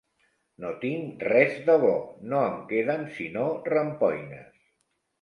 No tinc res de bo: no em queden sinó rampoines.